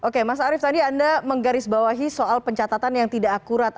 oke mas arief tadi anda menggarisbawahi soal pencatatan yang tidak akurat